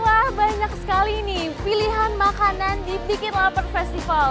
wah banyak sekali nih pilihan makanan di bikin lapar festival